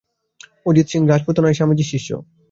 অজিত সিং রাজপুতানায় খেতড়ি রাজ্যের রাজা, স্বামীজীর শিষ্য।